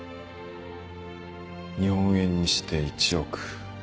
日本円にして１億。